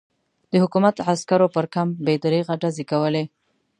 د حکومت عسکرو پر کمپ بې دریغه ډزې کولې.